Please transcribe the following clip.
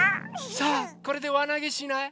さあこれでわなげしない？